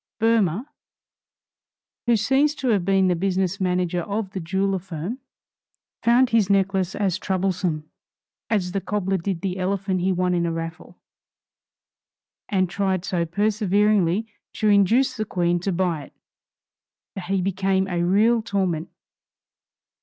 Boehmer, who seems to have been the business manager of the jeweler firm, found his necklace as troublesome as the cobbler did the elephant he won in a raffle, and tried so perseveringly to induce the Queen to buy it, that he became a real torment.